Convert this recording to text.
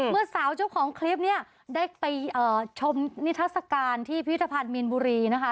เมื่อสาวเจ้าของคลิปเนี่ยได้ไปชมนิทัศกาลที่พิธภัณฑ์มีนบุรีนะคะ